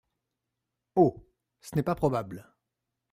Oh ! ce n’est pas probable !…